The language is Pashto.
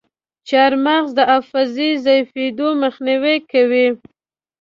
چارمغز د حافظې ضعیفیدو مخنیوی کوي.